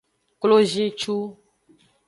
Klozincu.